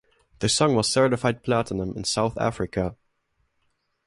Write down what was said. The song was certified platinum in South Africa.